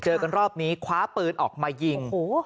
เจอกันรอบนี้คว้าปืนออกมายิง